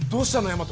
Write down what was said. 大和。